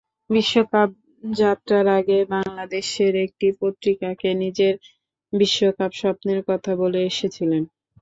বিশ্বকাপ যাত্রার আগে বাংলাদেশের একটি পত্রিকাকে নিজের বিশ্বকাপ স্বপ্নের কথা বলে এসেছিলেন।